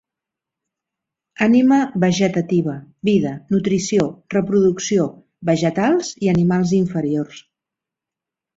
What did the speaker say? Ànima vegetativa: vida, nutrició, reproducció; vegetals i animals inferiors.